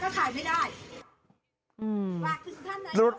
ทุกอย่างแพงหมดแต่ผลผลิตขายไม่ได้